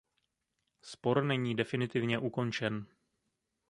Spor není definitivně ukončen.